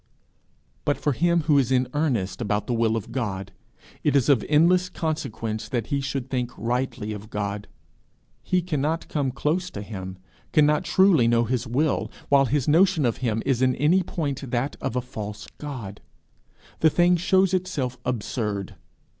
But for him who is in earnest about the will of God, it is of endless consequence that he should think rightly of God. He cannot come close to him, cannot truly know his will, while his notion of him is in any point that of a false god. The thing shows itself absurd.